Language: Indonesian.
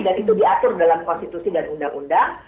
itu diatur dalam konstitusi dan undang undang